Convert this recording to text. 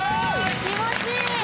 気持ちいい！